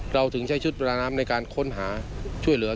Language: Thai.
เราถึงใช้ชุดประดาน้ำในการค้นหาช่วยเหลือ